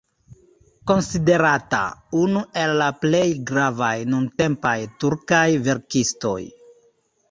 Konsiderata unu el la plej gravaj nuntempaj turkaj verkistoj.